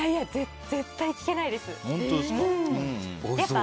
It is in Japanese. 絶対聞けないです。